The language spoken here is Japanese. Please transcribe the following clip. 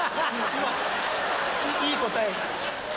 今いい答え。